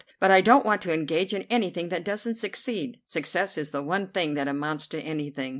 But I don't want to engage in anything that doesn't succeed. Success is the one thing that amounts to anything.